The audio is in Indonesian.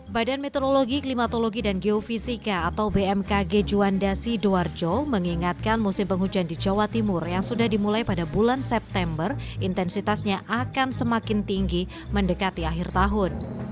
badan meteorologi klimatologi dan geofisika atau bmkg juanda sidoarjo mengingatkan musim penghujan di jawa timur yang sudah dimulai pada bulan september intensitasnya akan semakin tinggi mendekati akhir tahun